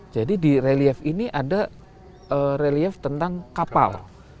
jadi di relief ini ada relief tentang kapal